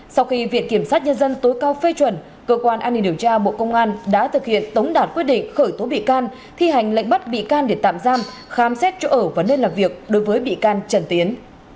sau khi viện kiểm sát nhân dân tối cao phê chuẩn cơ quan an ninh điều tra bộ công an đã thực hiện tống đạt quyết định khởi tố bị can thi hành lệnh bắt bị can để tạm giam khám xét chỗ ở và nơi làm việc đối với bị can trần tiến